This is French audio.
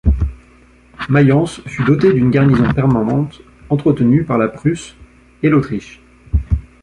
Mayence fut dotée d'une garnison permanente entretenue par la Prusse et l'Autriche.